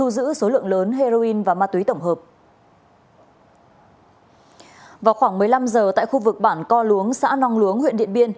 năm giờ tại khu vực bản co luống xã nong luống huyện điện biên